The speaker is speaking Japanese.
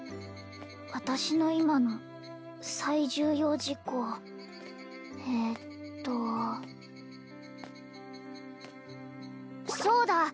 私の今の最重要事項えっとそうだ